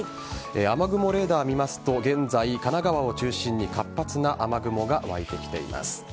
雨雲レーダーを見ますと現在、神奈川を中心に活発な雨雲が湧いてきています。